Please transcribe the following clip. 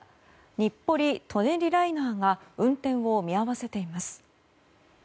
日暮里・舎人ライナーが運転を見合わせています。